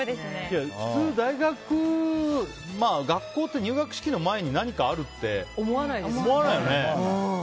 普通、学校って入学式の前に何かあるって思わないよね。